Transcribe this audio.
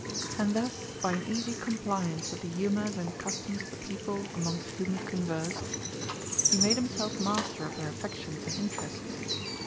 And thus, by an easy compliance with the humors and customs of the people amongst whom he conversed, he made himself master of their affections and interests.